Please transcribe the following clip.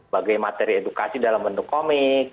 bagai materi edukasi dalam bentuk komik